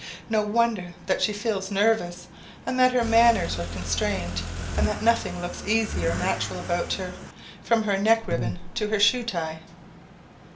No wonder that she feels nervous, and that her manners are constrained, and that nothing looks easy or natural about her, from her neck ribbon to her shoe tie.